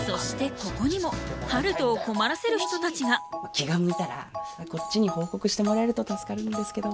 気が向いたらこっちに報告してもらえると助かるんですけど。